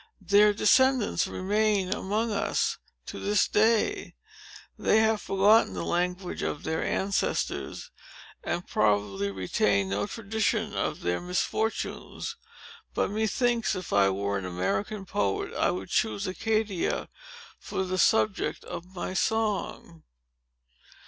Their descendants remain among us, to this day. They have forgotten the language of their ancestors, and probably retain no tradition of their misfortunes. But, methinks, if I were an American poet, I would choose Acadia for the subject of my song."